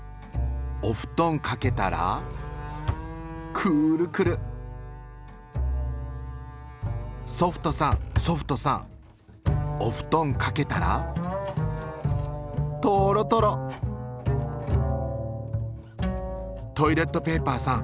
おふとんかけたらくーるくるソフトさんソフトさんおふとんかけたらとろとろトイレットペーパーさん